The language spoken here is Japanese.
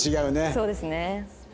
そうですね。